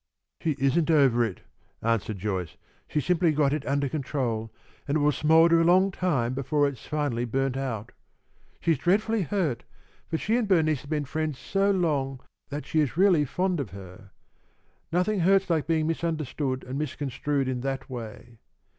"She isn't over it," answered Joyce. "She simply got it under control, and it will smoulder a long time before it's finally burnt out. She's dreadfully hurt, for she and Bernice have been friends so long that she is really fond of her. Nothing hurts like being misunderstood and misconstrued in that way.